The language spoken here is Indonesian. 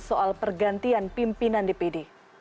soal pergantian pimpinan dpd